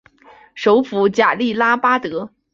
首府贾利拉巴德。